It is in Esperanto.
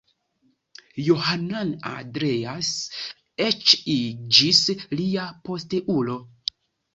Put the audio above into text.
Johann Andreas eĉ iĝis lia posteulo.